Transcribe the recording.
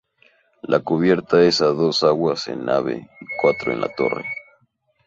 La cubierta es a dos aguas en nave y cuatro en la torre.